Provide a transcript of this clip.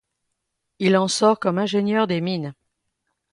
Il en sort comme ingénieur des mines.